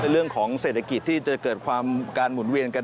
เรื่องของเศรษฐกิจที่จะเกิดความการหมุนเวียนกัน